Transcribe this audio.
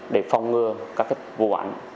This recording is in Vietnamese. để phòng ngừa các vụ án